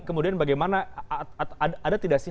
kemudian bagaimana ada tidak sih